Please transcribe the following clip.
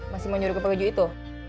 masih mau nyuruh ke pelucu itu